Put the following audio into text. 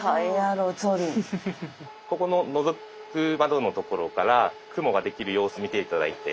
ここののぞく窓のところから雲ができる様子見て頂いて。